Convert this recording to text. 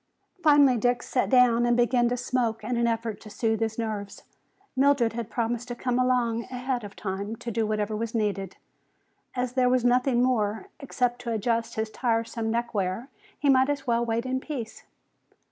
Finally Dick sat down and began to smoke in an effort to soothe his nerves. Mildred had promised to come along ahead of time to do whatever was needed. As there was nothing more, except to adjust his tiresome neckwear, he might as well wait in peace.